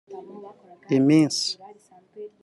Iminsi